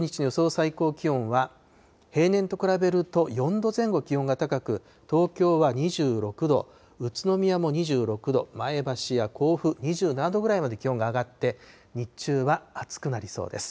最高気温は、平年と比べると４度前後気温が高く、東京は２６度、宇都宮も２６度、前橋や甲府２７度ぐらいまで気温が上がって、日中は暑くなりそうです。